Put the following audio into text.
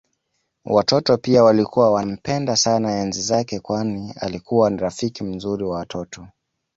Watoto pia walikuwa wanampenda sana enzi zake kwani alikuwa ni rafiki mzuri wa watoto